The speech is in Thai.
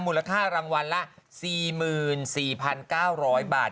มูลค่ารางวัลละ๔๔๙๐๐บาท